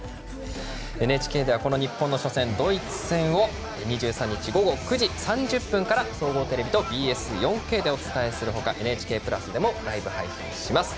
ＮＨＫではこの日本の初戦ドイツ戦を２３日午後９時３０分から総合テレビとＢＳ４Ｋでお伝えするほか「ＮＨＫプラス」でもライブ配信します。